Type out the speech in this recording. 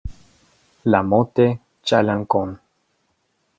La Motte-Chalancon